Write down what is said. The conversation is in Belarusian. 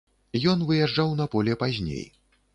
Ён выязджаў на поле пазней.